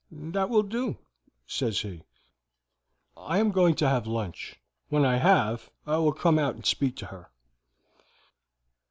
"'That will do,' says he. 'I am going to have lunch. When I have, done I will come out and speak with her.'